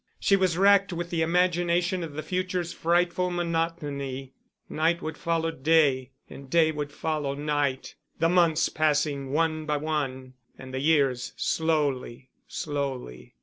She was racked with the imagination of the future's frightful monotony: night would follow day, and day would follow night, the months passing one by one and the years slowly, slowly.